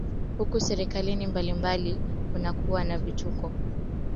huku serikali mbalimbali zikilaumu hali hiyo imetokana na uvamizi wa Urusi nchini Ukraine